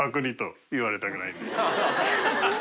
ハハハ